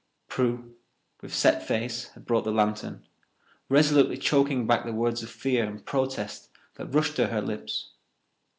Prue, with set face, had brought the lantern, resolutely choking back the words of fear and protest that rushed to her lips.